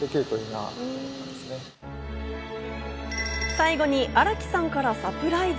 最後に荒木さんからサプライズ。